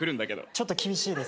ちょっと厳しいですね。